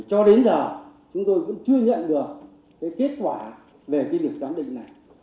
cho đến giờ chúng tôi cũng chưa nhận được cái kết quả về cái lực giám định này